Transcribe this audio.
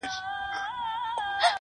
• د هوی و های د محفلونو د شرنګاه لوري.